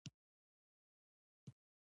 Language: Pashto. کتابچه کې باید ښکلی خط وکارېږي